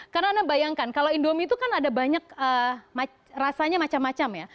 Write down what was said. karena anda bayangkan kalau indomie itu kan ada banyak rasanya macam macam ya